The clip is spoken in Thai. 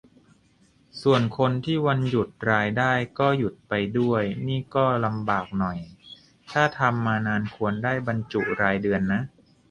ส่วนคนที่วันหยุดรายได้ก็หยุดไปด้วยนี่ก็ลำบากหน่อย ถ้าทำมานานควรได้บรรจุรายเดือนนะ